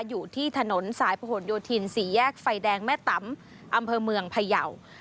อยู่ที่ถนนสายผนโยธิน๔แยกไฟแดงแม่ตำอำเภอเมืองพยาว